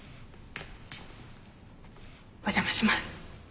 お邪魔します。